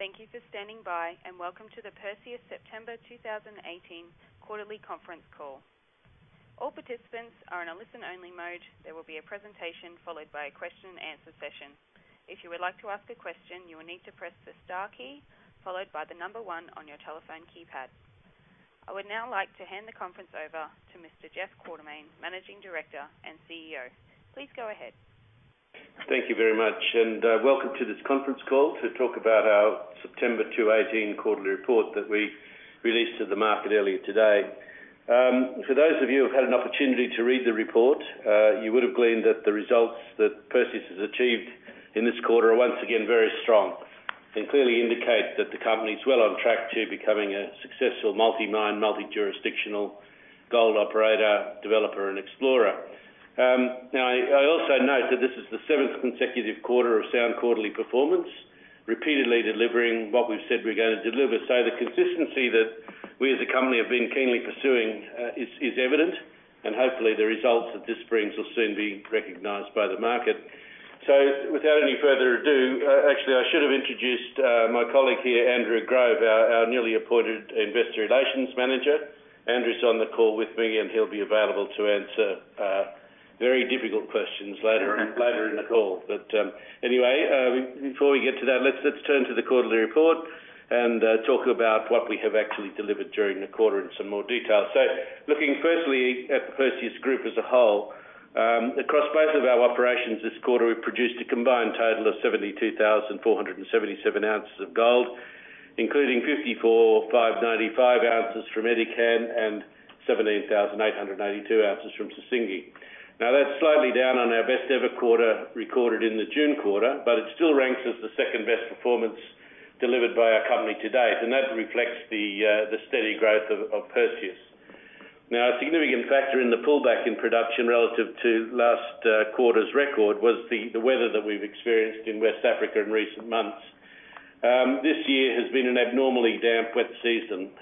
Thank you for standing by and welcome to the Perseus September 2018 quarterly conference call. All participants are in a listen-only mode. There will be a presentation followed by a question-and-answer session. If you would like to ask a question, you will need to press the star key followed by the number one on your telephone keypad. I would now like to hand the conference over to Mr. Jeff Quartermaine, Managing Director and CEO. Please go ahead. Thank you very much and welcome to this conference call to talk about our September 2018 quarterly report that we released to the market earlier today. For those of you who have had an opportunity to read the report, you would have gleaned that the results that Perseus has achieved in this quarter are once again very strong and clearly indicate that the company is well on track to becoming a successful multi-mine, multi-jurisdictional gold operator, developer and explorer. Now, I also note that this is the seventh consecutive quarter of sound quarterly performance, repeatedly delivering what we've said we're going to deliver. So the consistency that we as a company have been keenly pursuing is evident and hopefully the results that this brings will soon be recognized by the market. Without any further ado, actually I should have introduced my colleague here, Andrew Grove, our newly appointed Investor Relations Manager. Andrew's on the call with me and he'll be available to answer very difficult questions later in the call. But anyway, before we get to that, let's turn to the quarterly report and talk about what we have actually delivered during the quarter in some more detail. Looking firstly at the Perseus Group as a whole, across both of our operations this quarter we produced a combined total of 72,477 ounces of gold, including 54,595 ounces from Edikan and 17,892 ounces from Sissingué. Now that's slightly down on our best ever quarter recorded in the June quarter, but it still ranks as the second best performance delivered by our company to date. And that reflects the steady growth of Perseus now. A significant factor in the pullback in production relative to last quarter's record was the weather that we've experienced in West Africa in recent months. This year has been an abnormally damp wet season.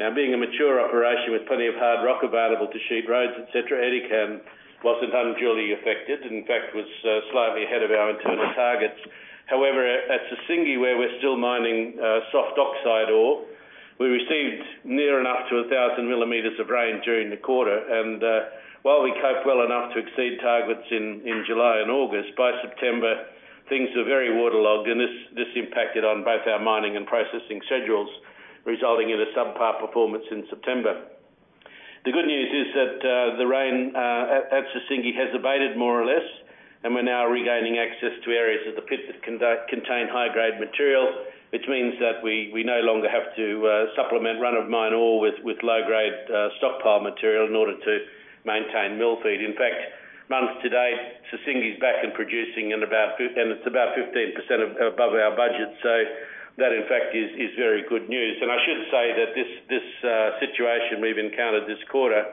Now being a mature operation with plenty of hard rock available to sheet roads, etc., Edikan wasn't unduly affected. In fact, it was slightly ahead of our internal targets. However, at Sissingué, where we're still mining soft oxide ore, we received near enough to 1,000 mm of rain during the quarter. And while we cope well enough to exceed targets in July and August, by September things were very waterlogged and this impacted on both our mining and processing schedules, resulting in a subpar performance in September. The good news is that the rain at Sissingué has abated more or less, and we're now regaining access to areas of the pit that contain high grade material, which means that we no longer have to supplement run of mine ore with low grade stockpile material in order to maintain mill feed. In fact, month to date, Sissingué is back in producing and it's about 15% above our budget. So that in fact is very good news. And I should say that this situation we've encountered this quarter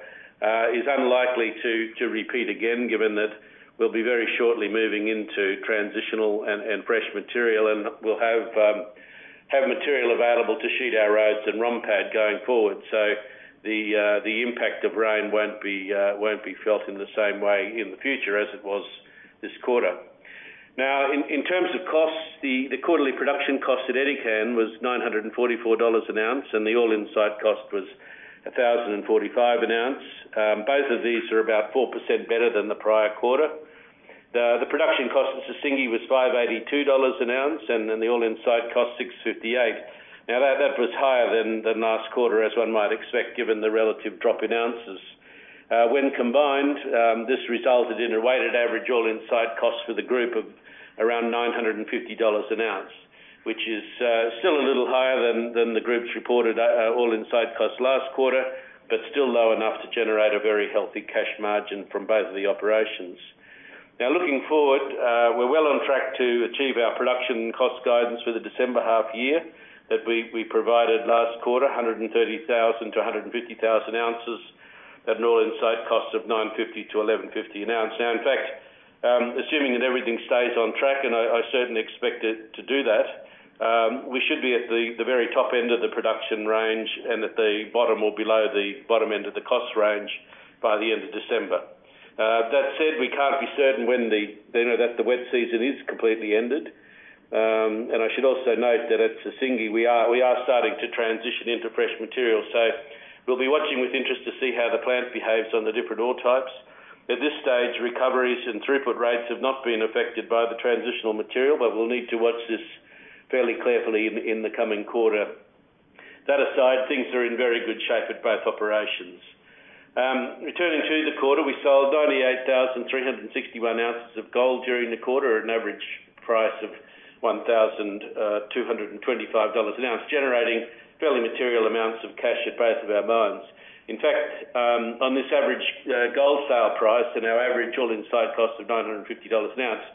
is unlikely to repeat again, given that we'll be very shortly moving into transitional and fresh material. And we'll have material available to sheet our roads and ROM pad going forward. So the impact of rain won't be felt in the same way in the future as it was this quarter. Now, in terms of costs, the quarterly production cost at Edikan was $944 an ounce and the all-in site cost was $1,045 an ounce. Both of these are about 4% better than the prior quarter. The production cost of Sissingué was $582 an ounce, and then the all-in site cost $658. Now that was higher than last quarter as one might expect given the relative drop in ounces when combined. This resulted in a weighted average all-in site cost for the group of around $950 an ounce, which is still a little higher than the group's reported all-in site cost last quarter, but still low enough to generate a very healthy cash margin from both of the operations. Now, looking forward, we're well on track to achieve our production cost guidance for the December half year that we provided last quarter, $130,000-150,000 ounces at an all-in site cost of $950-$1,150 an ounce. Now, in fact, assuming that everything stays on track, and I certainly expect it to do that, we should be at the very top end of the production range and at the bottom or below the bottom end of the cost range by the end of December. That said, we can't be certain when the wet season is completely ended. And I should also note that at Sissingué we are starting to transition into fresh materials. So we'll be watching with interest to see how the plant behaves on the different ore types. At this stage, recoveries and throughput rates have not been affected by the transitional material, but we'll need to watch this fairly carefully in the coming quarter. That aside, things are in very good shape at both operations. Returning to the quarter, we sold 98,361 ounces of gold during the quarter, an average price of $1,225 an ounce, generating fairly material amounts of cash at both of our mines. In fact, on this average gold sale price and our average all-in site cost of $950 an ounce,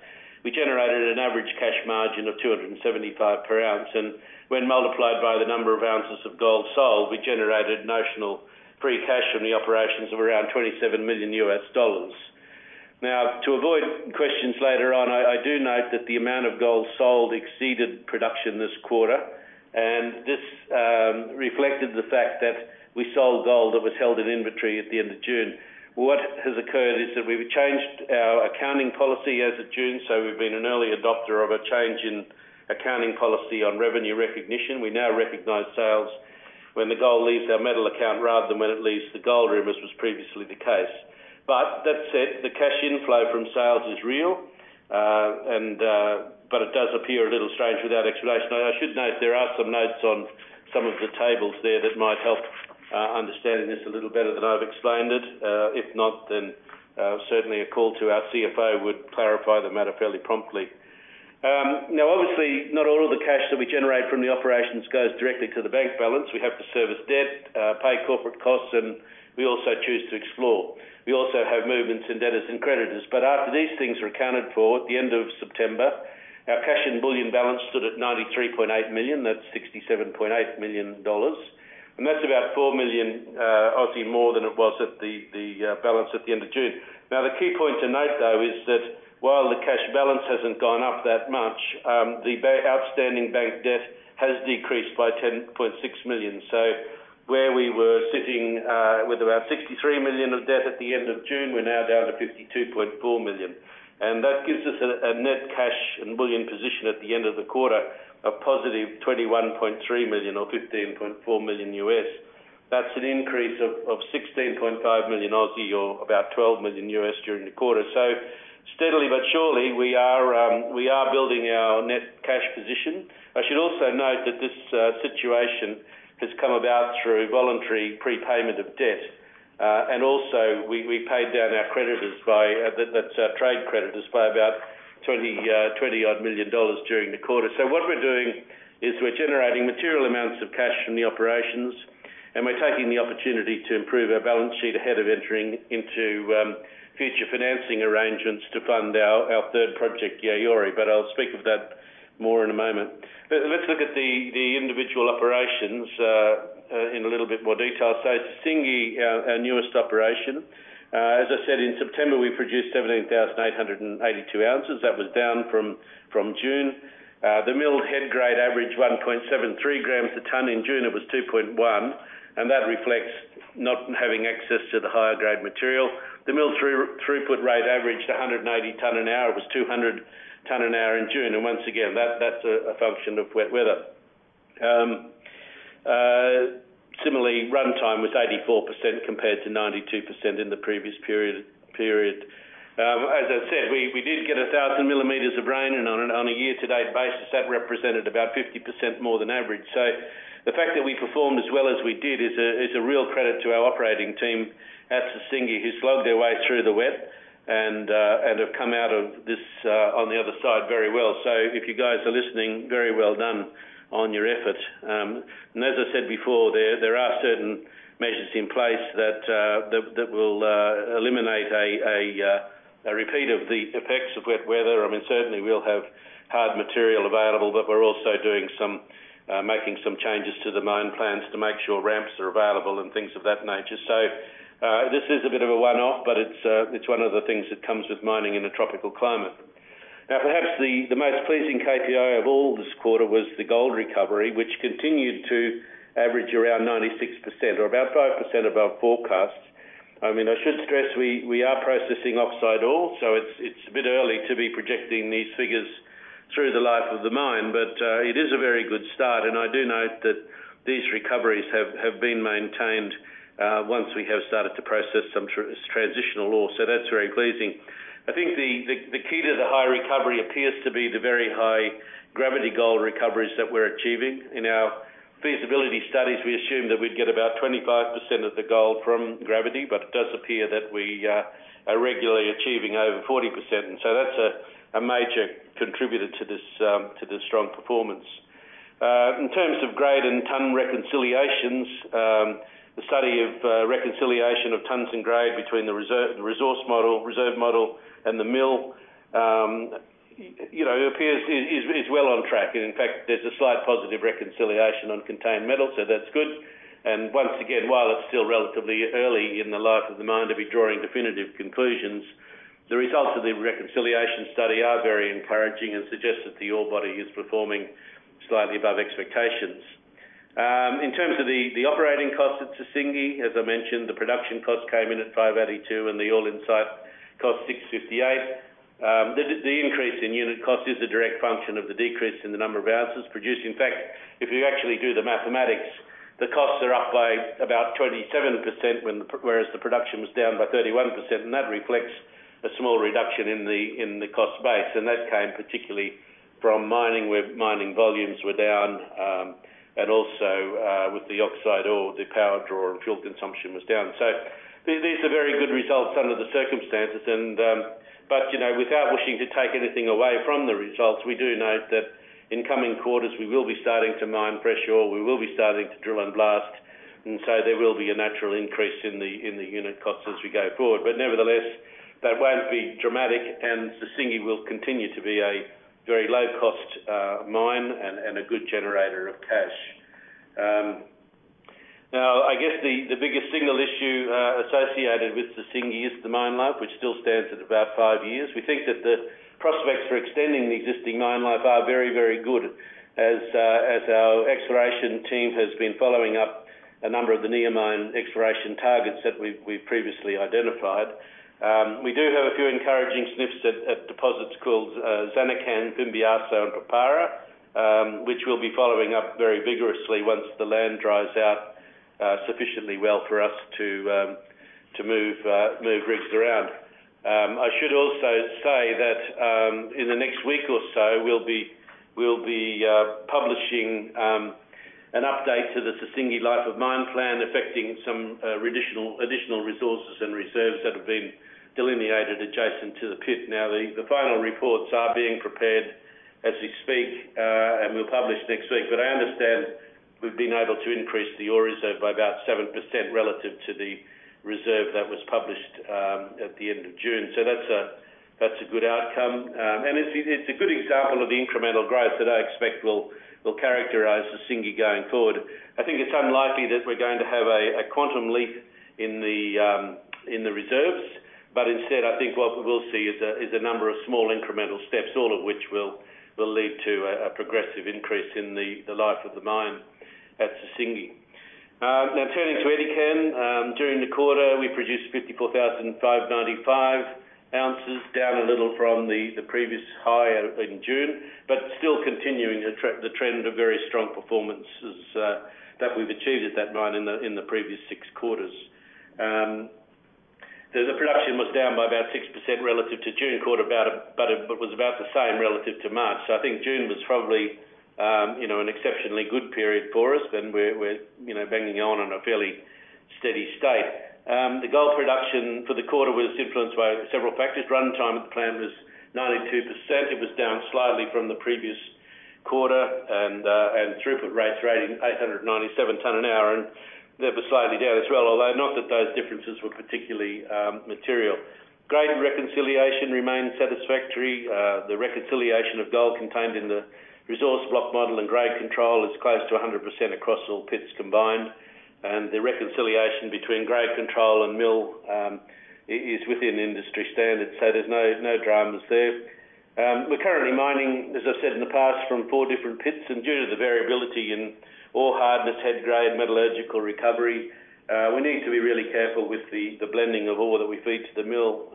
we generated an average cash margin of $275 per ounce. And when multiplied by the number of ounces of gold sold, we generated notional free cash from the operations of around $27 million. Now, to avoid questions later on, I do note that the amount of gold sold exceeded production this quarter, and this reflected the fact that we sold gold that was held in inventory at the end of June. What has occurred is that we've changed our accounting policy as of June. So we've been an early adopter of a change in accounting policy on revenue recognition. We now recognize sales when the gold leaves our metal account rather than when it leaves the gold room as was previously the case. But that said, the cash inflow from sales is real. But it does appear a little strange without explanation. I should note there are some notes on some of the tables there that might help understanding this a little better than I've explained it. If not, then certainly a call to our CFO would clarify the matter fairly promptly. Now, obviously not all of the cash that we generate from the operations goes directly to the bank balance. We have to service debt, pay corporate costs, and we also choose to explore. We also have movements in debtors and creditors. But after these things are accounted for, at the end of September, our cash and bullion balance stood at 93.8 million. That's $67.8 million. And that's about 4 million Aussie dollars more than it was at the balance at the end of June. Now, the key point to note though is that while the cash balance hasn't gone up that much, the outstanding bank debt has decreased by $10.6 million. So where we were sitting with about $63 million of debt at the end of June, we're now down to $52.4 million. And that gives us a net cash and bullion position at the end of the quarter of 21.3 million or $15.4 million. That's an increase of 16.5 million, or about $12 million during the quarter. So steadily but surely we are building our net cash position. I should also note that this situation has come about through voluntary prepayment of debt. And also we paid down our creditors by, that's our trade creditors by about 20 million dollars during the quarter. So what we're doing is we're generating material amounts of cash from the operations and we're taking the opportunity to improve our balance sheet ahead of entering into future financing arrangements to fund our third project, Yaouré. But I'll speak of that more in a moment. Let's look at the individual operations in a little bit more detail. Sissingué, our newest operation, as I said, in September we produced 17,882 ounces. That was down from June. The milled head grade averaged 1.73 grams per ton. In June it was 2.1. And that reflects not having access to the higher grade material. The mill throughput rate averaged 180 tons per hour. It was 200 tons per hour in June. And once again that's a function of wet weather. Similarly, runtime was 84% compared to 92% in the previous period. As I said, we did get 1,000 mm of rain and on a year-to-date basis that represented about 50% more than average. The fact that we performed as well as we did is a real credit to our operating team at Sissingué who slogged their way through the wet and have come out of this on the other side very well. So if you guys are listening, very well done on your effort. And as I said before, there are certain measures in place that will eliminate a repeat of the effects of wet weather. I mean certainly we'll have hard material available, but we're also making some changes to the mine plans to make sure ramps are available and things of that nature. So this is a bit of a one-off, but it's one of the things that comes with mining in a tropical climate. Now perhaps the most pleasing KPI of all this quarter was the gold recovery which continued to average around 96% or about 5% above forecast. I mean, I should stress we are processing oxide ore. So it's a bit early to be projecting these figures through the life of the mine. But it is a very good start. I do note that these recoveries have been maintained once we have started to process some transitional ore. That's very pleasing. I think the key to the high recovery appears to be the very high gravity gold recoveries that we're achieving. In our feasibility studies we assumed that we'd get about 25% of the gold from gravity, but it does appear that we are regularly achieving over 40%. So that's a major contributor to this strong performance. In terms of grade and tonne reconciliations, the study of reconciliation of tonnes and grade between the resource model, reserve model and the mill, you know, appears to be well on track and in fact there's a slight positive reconciliation on contained metals. That's good. Once again, while it's still relatively early in the life of the mine to be drawing definitive conclusions, the results of the reconciliation study are very encouraging and suggest that the ore body is performing slightly above expectations in terms of the operating costs at Sissingué. As I mentioned, the production cost came in at $582 and the all-in site cost $658. The increase in unit cost is a direct function of the decrease in the number of ounces produced. In fact, if you actually do the mathematics, the costs are up by about 27% whereas the production was down by 31%. And that reflects a small reduction in the cost base. And that came particularly from mining where mining volumes were down. And also with the oxide ore, the power draw and fuel consumption was down. So these are very good results under the circumstances. But you know, without wishing to take anything away from the results, we do note that in coming quarters we will be starting to mine fresh, we will be starting to drill and blast and so there will be a natural increase in the unit costs as we go forward, but nevertheless that won't be dramatic and Sissingué will continue to be a very low cost mine and a good generator of cash. Now, I guess the biggest single issue associated with Sissingué is the mine life, which still stands at about five years. We think that the prospects for extending the existing mine life are very, very good as our exploration team has been following up a number of the near-mine exploration targets that we previously identified. We do have a few encouraging sniffs at deposits called Zanikan, Bimbasso and Papara, which we'll be following up very vigorously once the land dries out sufficiently well for us to move rigs around. I should also say that in the next week or so we'll be publishing an update to the Sissingué life of mine plan affecting some additional resources and reserves that have been delineated adjacent to the pit. Now the final reports are being prepared as we speak and we'll publish next week. But I understand we've been able to increase the ore reserve by about 7% relative to the Reserve that was published at the end of June. So that's a good outcome and it's a good example of the incremental growth that I expect will characterize the Sissingué going forward. I think it's unlikely that we're going to have a quantum leap in the reserves, but instead I think what we will see is a number of small incremental steps, all of which will lead to a progressive increase in the life of the mine at Sissingué. Now turning to Edikan. During the quarter we produced 54,595 ounces, down a little from the previous high in June, but still continuing the trend of very strong performance that we've achieved at that mine. In the previous six quarters, the production was down by about 6% relative to June quarter, but was about the same relative to March. So I think June was probably, you know, an exceptionally good period for us and we're, you know, banging on in a fairly steady state. The gold production for the quarter was influenced by several factors. Runtime at the plant was 92%. It was down slightly from the previous quarter, and throughput rates rating 897 tonne an hour, and they were slightly down as well. Although not that those differences were particularly material. Grade reconciliation remains satisfactory. The reconciliation of gold contained in the resource block model and grade control is close to 100% across all pits combined, and the reconciliation between grade control and mill is within industry standards, so there's no dramas there. We're currently mining, as I've said in the past, from four different pits, and due to the variability in ore hardness, head grade metallurgical recovery, we need to be really careful with the blending of ore that we feed to the mill.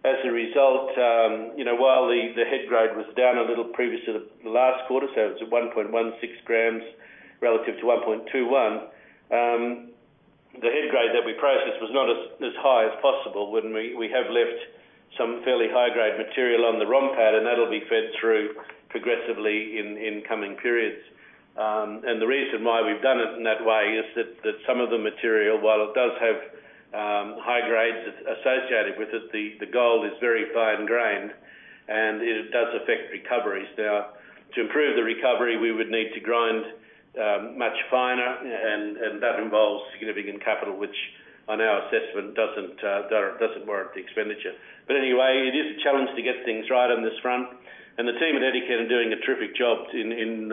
As a result, while the head grade was down a little previous to the last quarter, so it's at 1.16 grams relative to 1.21. The head grade that we processed was not as high as possible when we have left some fairly high grade material on the ROM pad and that'll be fed through progressively in coming periods. And the reason why we've done it in that way is that some of the material, while it does have high grades associated with it, the gold is very fine grained and it does affect recoveries. Now, to improve the recovery, we would need to grind much finer and that involves significant capital, which on our assessment doesn't warrant the expenditure. But anyway, it is a challenge to get things right on this front and the team at Edikan are doing a terrific job in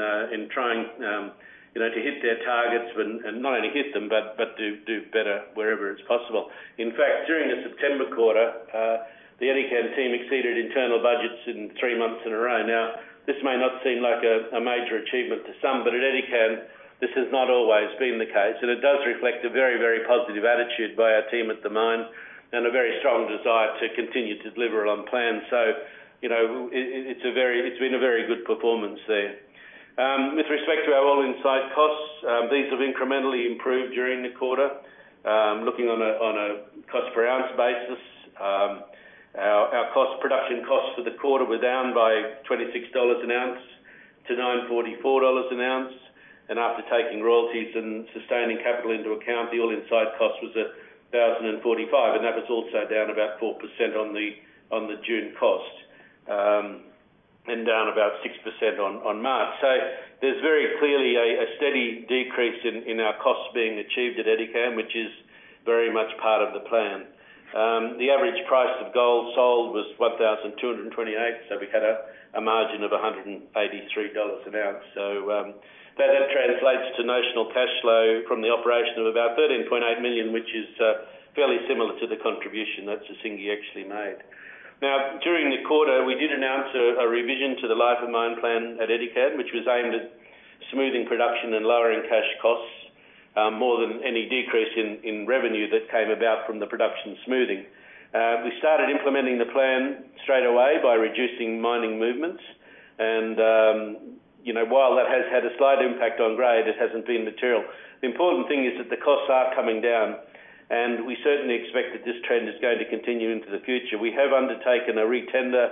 trying to hit their targets. And not only hit them, but do better wherever it's possible. In fact, during the September quarter the Edikan team exceeded internal budgets in three months in a row. Now this may not seem like a major achievement to some, but at Edikan this has not always been the case, and it does reflect a very, very positive attitude by our team at the mine and a very strong desire to continue to deliver on plan, so it's been a very good performance there. With respect to our all-in site costs, these have incrementally improved during the quarter. Looking on a cost per ounce basis, our cash production costs for the quarter were down by $26 an ounce to $944 an ounce, and after taking royalties and sustaining capital into account, the all-in site cost was $1,045, and that was also down about 4% on the June cost and down about 6% on March. So there's very clearly a steady decrease in our costs being achieved at Edikan, which is very much part of the plan. The average price of gold sold was $1,228. So we had a margin of $183 an ounce. So that translates to notional cash flow from the operation of about $13.8 million, which is fairly similar to the contribution that Sissingué actually made. Now during the quarter we did announce a revision to the life of mine plan at Edikan which was aimed at smoothing production and lowering cash costs more than any decrease in revenue that came about from the production smoothing. We started implementing the plan straight away by reducing mining movements, and while that has had a slight impact on grade, it hasn't been material. The important thing is that the costs are coming down and we certainly expect that this trend is going to continue into the future. We have undertaken a retender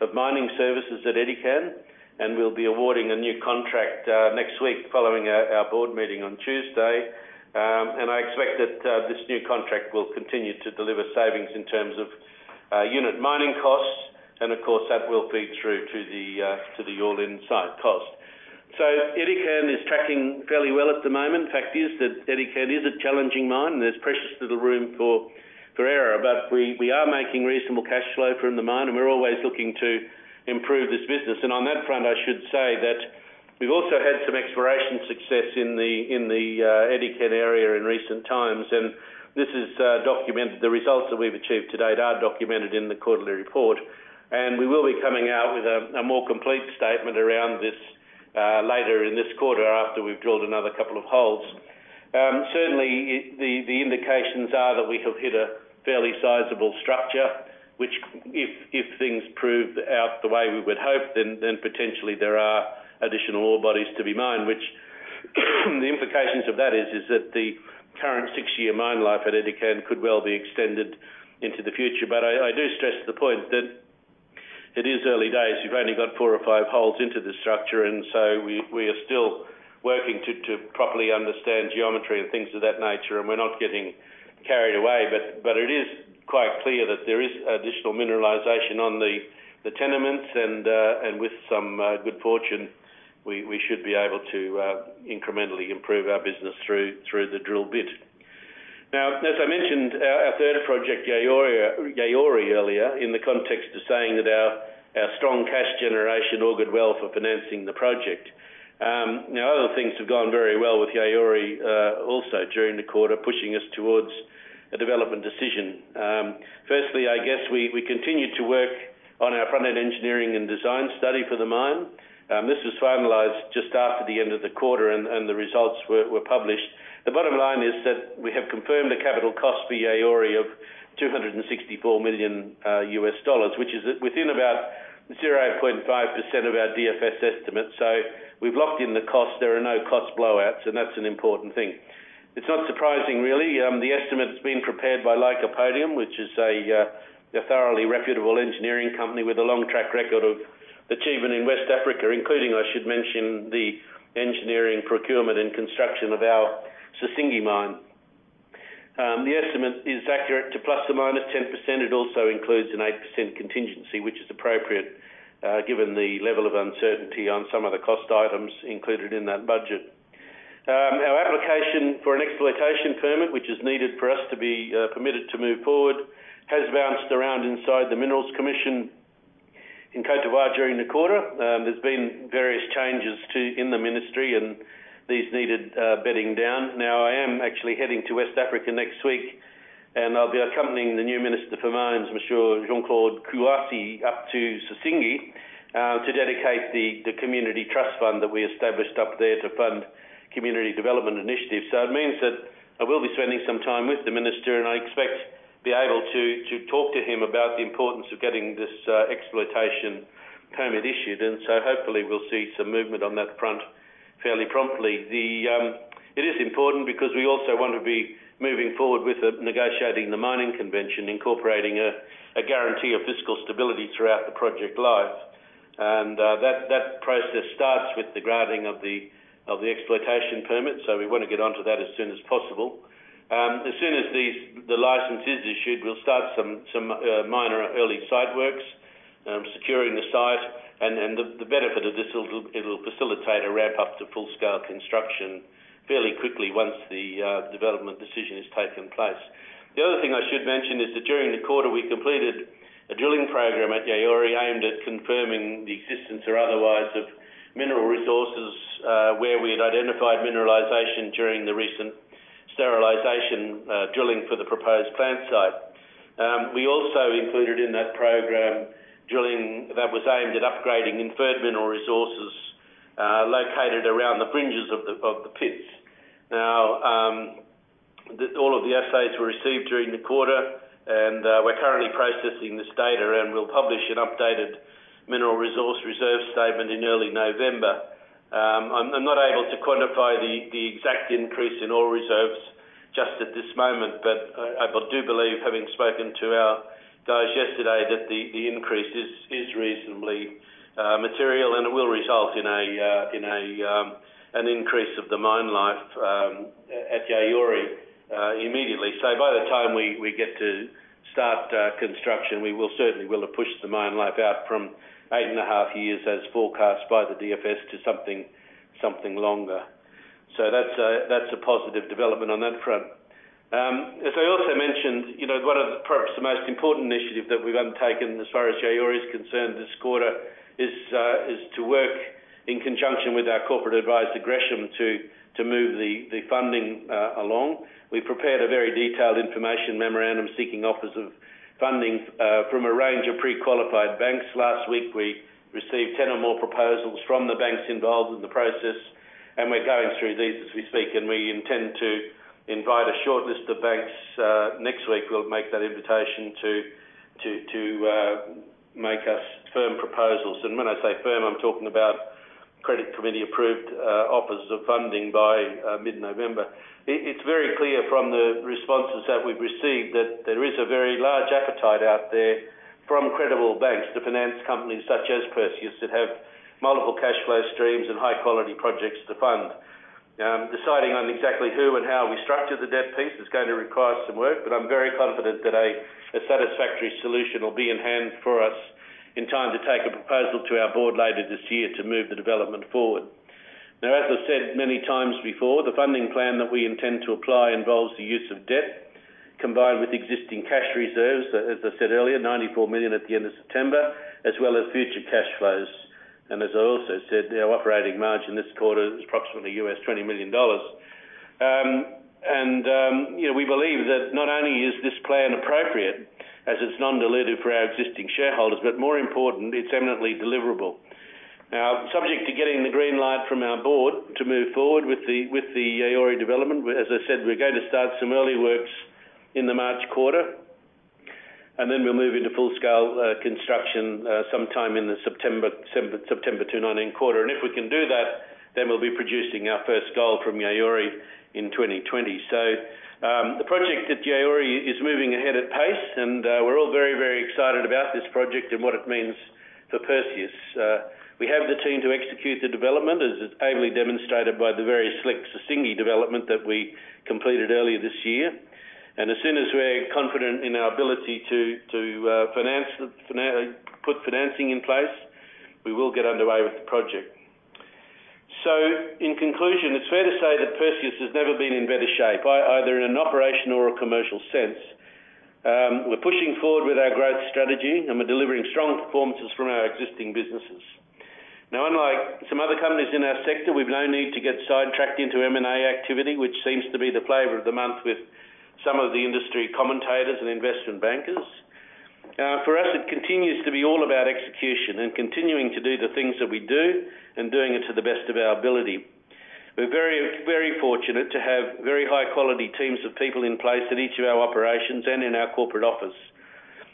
of mining services at Edikan and we'll be awarding a new contract next week following our board meeting on Tuesday, and I expect that this new contract will continue to deliver savings in terms of unit mining costs, and of course that will feed through to the all-in site cost, so Edikan is tracking fairly well at the moment. Fact is that Edikan is a challenging mine. There's precious little room for error, but we are making reasonable cash flow from the mine and we're always looking to improve this business, and on that front I should say that we've also had some exploration success in the Edikan area in recent times and this is documented. The results that we've achieved to date are documented in the quarterly report and we will be coming out with a more complete statement around this later in this quarter after we've drilled another couple of holes. Certainly the indications are that we have hit a fairly sizable structure which if things prove out the way we would hope, then potentially there are an additional ore bodies to be mined which the implications of that is that the current six-year mine life at Edikan could well be extended into the future. But I do stress the point that it is early days, you've only got four or five holes into this structure and so we are still working to properly understand geometry and things of that nature and we're not getting carried away. But it is quite clear that there is additional mineralization on the tenements and with some good fortune we should be able to incrementally improve our business through the drill bit. Now, as I mentioned our third project, Yaouré earlier in the context of saying that our strong cash generation augured well for financing the project. Other things have gone very well with Yaouré also during the quarter pushing us towards a development decision. Firstly, I guess we continue to work on our front end engineering and design study for the mine. This was finalized just after the end of the quarter and the results were published. The bottom line is that we have confirmed a capital cost for Yaouré of $264 million, which is within about 0.5% of our DFS estimate. So we've locked in the cost. There are no cost blowouts and that's an important thing. It's not surprising really. The estimate has been prepared by Lycopodium, which is a thoroughly reputable engineering company with a long track record of achievement in West Africa, including, I should mention, the engineering, procurement and construction of our Sissingué mine. The estimate is accurate to plus or minus 10%. It also includes an 8% contingency, which is appropriate given the level of uncertainty on some of the cost items included in that budget. Our application for an exploitation permit, which is needed for us to be permitted to move forward, has bounced around inside the Minerals Commission in Côte d'Ivoire. During the quarter there's been various changes in the Ministry and these needed bedding down. Now I am actually heading to West Africa next week and I'll be accompanying the new Minister for Mines, Monsieur Jean-Claude Kouassi, up to Sissingué to dedicate the Community Trust fund that we established up there to fund community development initiatives, so it means that I will be spending some time with the Minister and I expect be able to talk to him about the importance of getting this exploitation permit issued, and so hopefully we'll see some movement on that front fairly promptly. It is important because we also want to be moving forward with negotiating the mining convention incorporating a guarantee of fiscal stability throughout the project life, and that process starts with the granting of the exploitation permit, so we want to get onto that as soon as possible. As soon as the license is issued, we'll start some minor early site works. Securing the site and the benefit of this, it will facilitate a ramp up to full scale construction fairly quickly once the development decision has taken place. The other thing I should mention is that during the quarter we completed a drilling program at Yaouré aimed at confirming the existence or otherwise of mineral resources where we had identified mineralization. During the recent sterilization drilling for the proposed plant site, we also included in that program drilling that was aimed at upgrading inferred mineral resources located around the fringes of the pits. Now all of the assays were received during the quarter and we're currently processing this data and we'll publish an updated mineral resource reserve statement in early November. I'm not able to quantify the exact increase in ore reserves just at this moment, but I do believe, having spoken to our guys yesterday, that the increase is reasonably material and it will result in an increase of the mine life at Yaouré immediately. So by the time we get to start construction, we will certainly push the mine life out from eight and a half years as forecast by the DFS to something longer. So that's a positive development on that front. As I also mentioned, one of perhaps the most important initiative that we've undertaken as far as Yaouré is concerned, this quarter is to work in conjunction with our corporate advisor Gresham to move the funding along. We prepared a very detailed information memorandum seeking offers of funding from a range of pre-qualified banks. Last week we received 10 or more proposals from the banks involved in the process. And we're going through these as we speak. And we intend to invite a short list of banks next week. We'll make that invitation to make us firm proposals. And when I say firm, I'm talking about credit committee approved offers of funding by mid November. It's very clear from the responses that we've received that there is a very large appetite out there from credible banks to finance companies such as Perseus that have multiple cash flow streams and high quality projects to fund. Deciding on exactly who and how we structure the debt piece is going to require some work. But I'm very confident that a satisfactory solution will be in hand for us in time to take a proposal to our board later this year to move the development forward. Now, as I've said many times before, the funding plan that we intend to apply involves the use of debt combined with existing cash reserves, as I said earlier, $94 million at the end of September, as well as future cash flows. And as I also said, our operating margin this quarter is approximately $20 million. And we believe that not only is this plan appropriate as it's non-dilutive for our existing shareholders, but more important, it's eminently deliverable. Now, subject to getting the green light from our board to move forward with the Yaouré development. As I said, we're going to start some early works in the March quarter and then we'll move into full-scale construction sometime in the September 2019 quarter. And if we can do that, then we'll be producing our first gold from Yaouré in 2020. So the project at Yaouré is moving ahead at pace and we're all very, very excited about this project and what it means for Perseus. We have the team to execute the development as ably demonstrated by the very slick Sissingué development that we completed earlier this year. And as soon as we're confident in our ability to finance put financing in place, we will get underway with the project. So in conclusion, it's fair to say that Perseus has never been in better shape, either in an operational or commercial sense. We're pushing forward with our growth strategy and we're delivering strong performances from our existing businesses. Now, unlike some other companies in our sector, we've no need to get sidetracked into M&A activity which seems to be the flavor of the month with some of the industry commentators and investment bankers. For us, it continues to be all about execution and continuing to do the things that we do and doing it to the best of our ability. We're very, very fortunate to have very high quality teams of people in place at each of our operations and in our corporate office.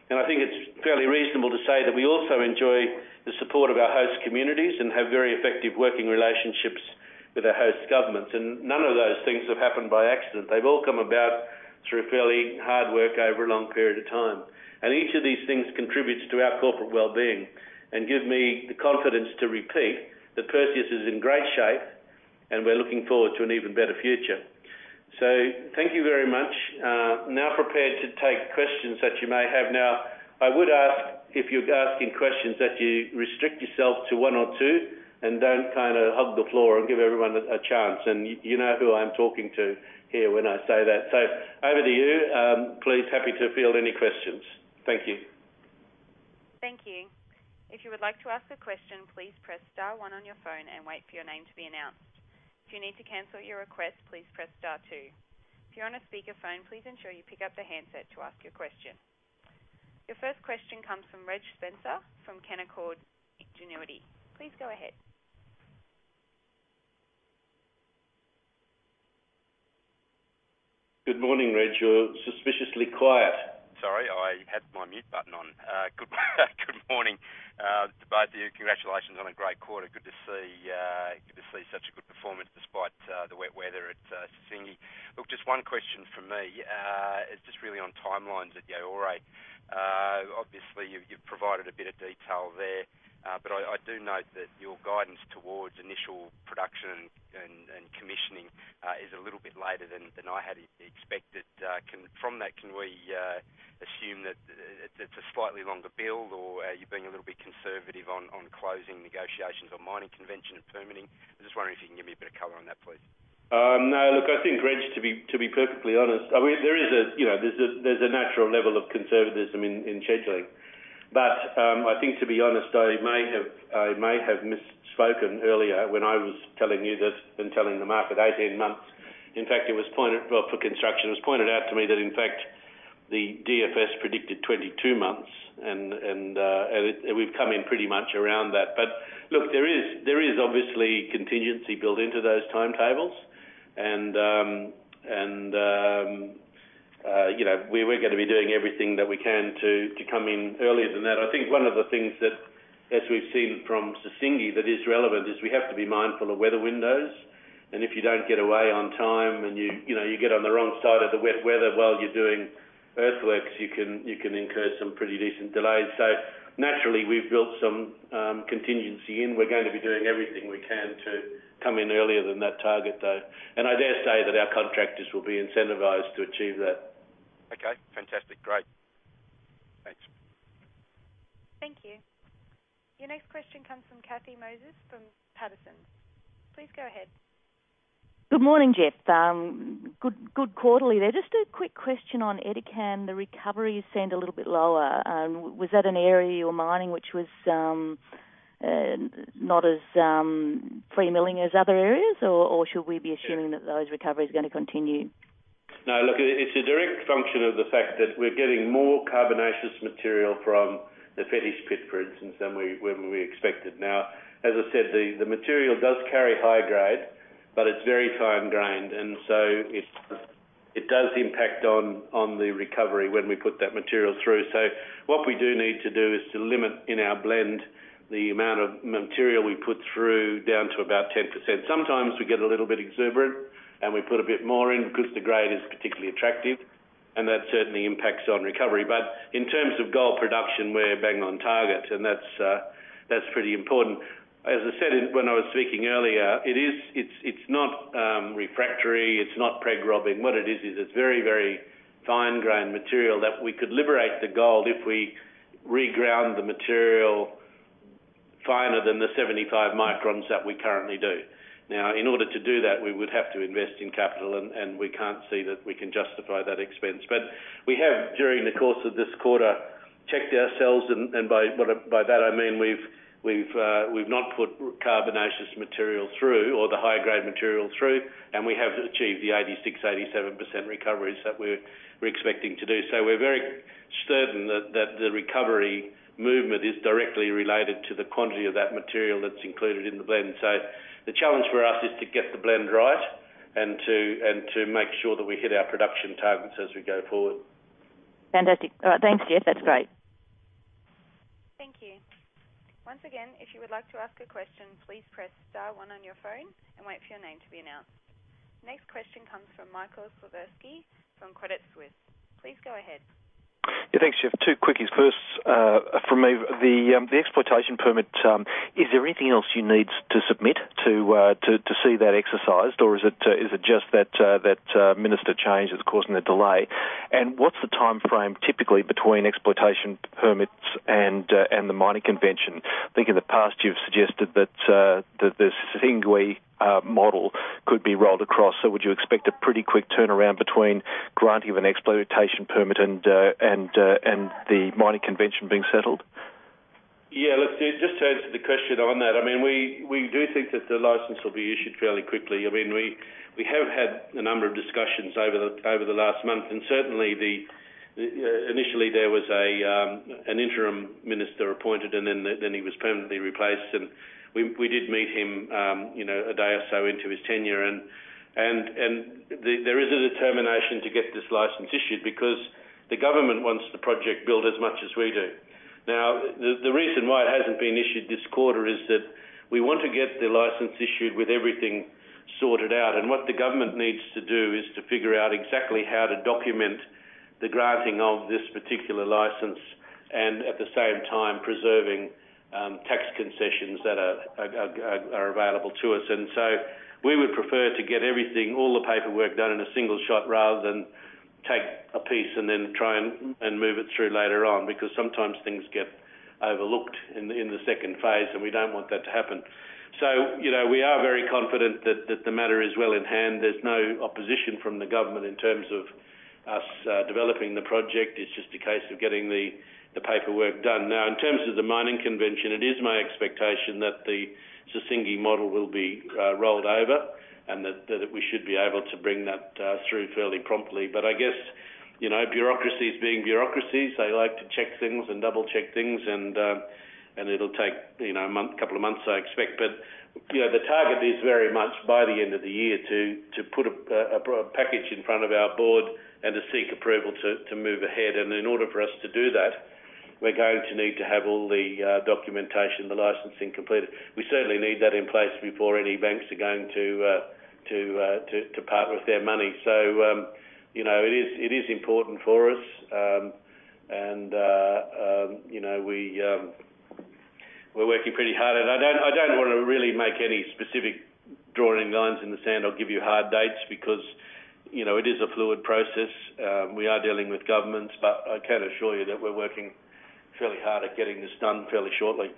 And I think it's fairly reasonable to say that we also enjoy the support of our host communities and have very effective working relationships with our host governments. And none of those things have happened by accident. They've all come about through fairly hard work over a long period of time. And each of these things contributes to our corporate well being. And give me the confidence to repeat that Perseus is in great shape and we're looking forward to an even better future. So thank you very much. Now prepare to take questions that you may have. Now, I would ask, if you're asking questions, that you restrict yourself to one or two and don't kind of hog the floor and give everyone a chance. And you know who I'm talking to when I say that. So over to you, please. Happy to field any questions. Thank you. Thank you. If you would like to ask a question, please press star one on your phone and wait for your name to be announced. If you need to cancel your request, please press star two. If you're on a speakerphone, please ensure you pick up the handset to ask your question. Your first question comes from Reg Spencer from Canaccord Genuity. Please go ahead. Good morning, Reg. You're suspiciously quiet. Sorry, I had my mute button on. Good morning to both of you. Congratulations on a great quarter. Good to see such a good performance despite the wet weather at Sissingué. Look, just one question for me. It's just really on timelines at Yaouré. Obviously you've provided a bit of detail there, but I do note that your guidance towards initial production and commissioning is a little bit later than I had expected from that. Can we assume that it's a slightly longer build or are you being a little bit conservative on closing negotiations on Mining Convention and permitting? I'm just wondering if you can give me a bit of color on that, please. No. Look, I think, Reg, to be perfectly honest, there's a natural level of conservatism in scheduling. But I think, to be honest, I may have misspoken earlier when I was telling you this and telling the market. 18 months, in fact, it was pointed for construction. It was pointed out to me that, in fact, the DFS predicted 22 months and we've come in pretty much around that. But look, there is obviously contingency built into those timetables and we're going to be doing everything that we can to come in earlier than that. I think one of the things that, as we've seen from Sissingué, that is relevant is we have to be mindful of weather windows. And if you don't get away on time and you get on the wrong side of the wet weather while you're doing earthworks, you can incur some pretty decent delays. So naturally, we've built some contingency in. We're going to be doing everything we can to come in earlier than that target, though. And I dare say that our contractors will be incentivized to achieve that. Okay, fantastic. Great. Thanks. Thank you. Your next question comes from Cathy Moises from Paterson. Please go ahead. Good morning, Jeff. Good quarter there. Just a quick question. On Edikan, the recovery has seemed a little bit lower. Was that an area you were mining which was not as free milling as other areas, or should we be assuming that those recoveries are going to continue? No, look, it's a direct function of the fact that we're getting more carbonaceous material from the Fetish Pit, for instance, than we expected. Now as I said, the material does carry high grade, but it's very fine grained and so it does impact on the recovery when we put that material through. So what we do need to do is to limit in our blend the amount of material we put through down to about 10%. Sometimes we get a little bit exuberant and we put a bit more in because the grade is particularly attractive and that certainly impacts on recovery. But in terms of gold production, we're bang on target and that's pretty important. As I said when I was speaking earlier, it's not refractory, it's not preg-robbing. What it is is it's very, very fine grained material that we could liberate the gold if we reground the material finer than the 75 microns that we currently do. Now in order to do that we would have to invest in capital and we can't see that we can justify that expense. But we have, during the course of this quarter, checked ourselves. And by that I mean we've not put carbonaceous material through or the high grade material through and we have achieved the 86%-87% recoveries that we're expecting to do. So we're very certain that the recovery movement is directly related to the quantity of that material that's included in the blend. So the challenge for us is to get the blend right and to make sure that we hit our production targets as we go forward. Fantastic. Alright, thanks Jeff. That's great. Thank you. Once again, if you would like to ask a question, please press Star one on your phone and wait for your name to be announced. Next question comes from Michael Slifirski from Credit Suisse. Please go ahead. Thanks Jeff. Two quickies. First from me, the exploitation permit. Is there anything else you need to submit to see that exercised or is it just that Minister change that's causing the delay? And what's the timeframe typically between exploitation permits and the mining convention? I think in the past you've suggested that the Sissingué model could be rolled across. So would you expect a pretty quick turnaround between granting of an exploitation permit and the mining convention being settled? Yeah, just turn to the question on that. I mean, we do think that the license will be issued fairly quickly. I mean, we have had a number of discussions over the last month and certainly initially there was an interim minister appointed and then he was permanently replaced and we did meet him a day or so into his tenure and there is a determination to get this license issued because the government wants the project built as much as we do. Now the reason why it hasn't been issued this quarter is that we want to get the license issued with everything sorted out and what the government needs to do is to figure out exactly how to document the granting of this particular license and at the same time preserving tax concessions that are available to us. And so we would prefer to get everything, all the paperwork done in a single shot rather than take a piece and then try and move it through later on because sometimes things get overlooked in the second phase and we don't want that to happen. So, you know, we are very confident that the matter is well in hand. There's no opposition from the government in terms of us developing the project, it's just a case of getting the paperwork done. Now, in terms of the Mining Convention, it is my expectation that the Sissingué model will be rolled over and that we should be able to bring that through fairly promptly. But I guess, you know, bureaucracies being bureaucracies, they like to check things and double check things and it'll take a couple of months I expect but you know, the target is very much by the end of the year to put a package in front of our board and to seek approval to move ahead. And in order for us to do that we're going to need to have all the documentation, the licensing completed. We certainly need that in place before any banks are going to partner with their money. So, you know, it is important for us and you know, we're working pretty hard and I don't want to really make any specific, draw any lines in the sand or give you hard dates because, you know, it is a fluid process. We are dealing with governments, but I can assure you that we're working fairly hard at getting this done fairly shortly.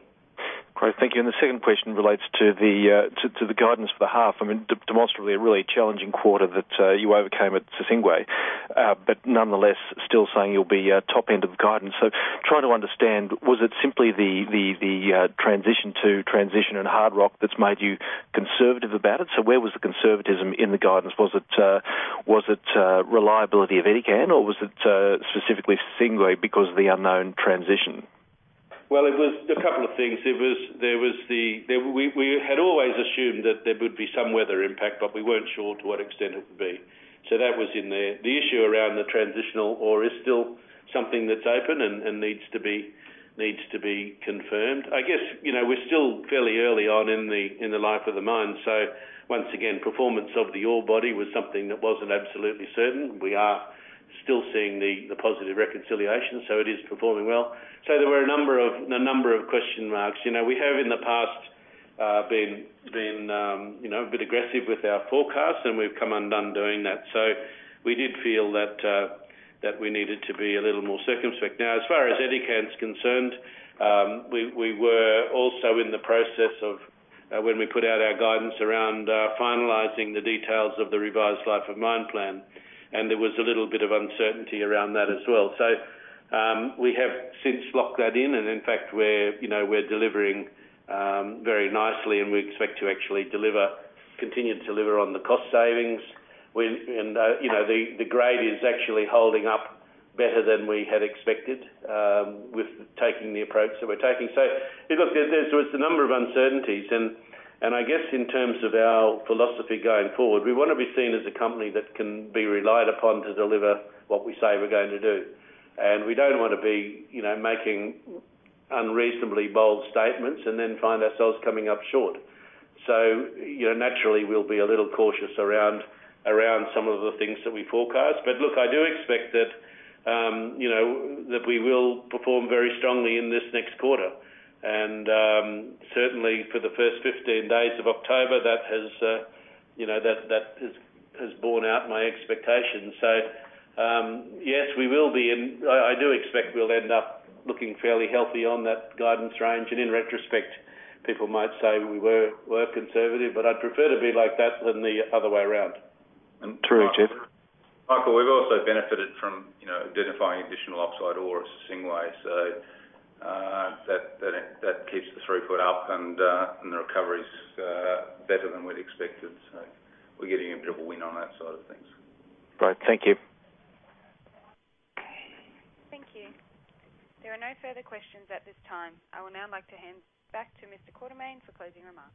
Great, thank you. And the second question relates to the guidance for the half. I mean, demonstrably a really challenging quarter that you overcame at Sissingué but nonetheless still saying you'll be top end of the guidance. So trying to understand, was it simply the transition to transitional and hard rock that's made you conservative about it? So where was the conservatism in the guidance? Was it reliability of Edikan or was it specifically Sissingué because of the unknown transition? It was a couple of things. We had always assumed that there would be some weather impact, but we weren't sure to what extent it would, so that was in there. The issue around the transitional ore is still something that's open and needs to be confirmed. I guess, you know, we're still fairly early on in the life of the mine, so once again, performance of the ore body was something that wasn't absolutely certain. We are still seeing the positive reconciliation, so it is performing well. So there were a number of question marks. You know, we have in the past been, you know, a bit aggressive with our forecast and we've come undone doing that. So we did feel that we needed to be a little more circumspect now as far as Edikan is concerned. We were also in the process of. When we put out our guidance around finalizing the details of the revised Life of Mine plan and there was a little bit of uncertainty around that as well. So we have since locked that in and in fact we're, you know, we're delivering very nicely and we expect to actually deliver, continue to deliver on the cost savings and the grade is actually holding up better than we had expected with taking the approach that we're taking. So, look, there's a number of uncertainties and I guess in terms of our philosophy going forward, we want to be seen as a company that can be relied upon to deliver what we say we're going to do and we don't want to be, you know, making unreasonably bold statements and then find ourselves coming up short. You know, naturally we'll be a little cautious around some of the things that we forecast. But look, I do expect that, you know, we will perform very strongly in this next quarter and certainly for the first 15 days of October that has, you know, borne out my expectations. Yes, we will be, and I do expect we'll end up looking fairly healthy on that guidance range and in retrospect people might say we were conservative, but I'd prefer to be like that than the other way around. True. Jeff. Michael, we've also benefited from identifying additional oxide ore at Sissingué. So that keeps the throughput up and the recovery's better than we'd expected. So we're getting a bit of a win on that side of things. Right, thank you. Thank you. There are no further questions at this time. I would now like to hand back to Mr. Quartermain for closing remarks.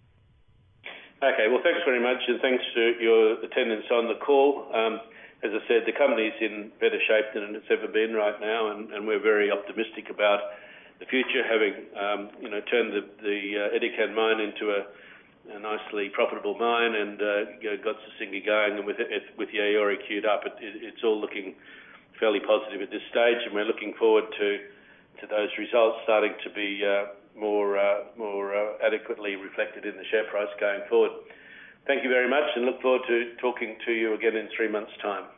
Okay, well, thanks very much and thanks to your attendance on the call. As I said, the company is in better shape than it's ever been right now and we're very optimistic about the future. Having turned the Edikan mine into a nicely profitable mine and got Sissingué going. And with the Yaouré queued up, it's all looking fairly positive at this stage and we're looking forward to those results starting to be more adequately reflected in the share price going forward. Thank you very much and look forward to talking to you again in three months time.